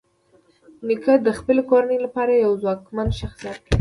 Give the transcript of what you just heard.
نیکه د خپلې کورنۍ لپاره یو ځواکمن شخصیت دی.